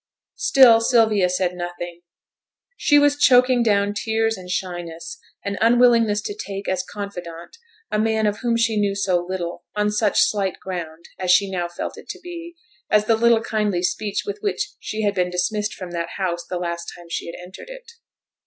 Still Sylvia said nothing; she was choking down tears and shyness, and unwillingness to take as confidant a man of whom she knew so little, on such slight ground (as she now felt it to be) as the little kindly speech with which she had been dismissed from that house the last time that she entered it.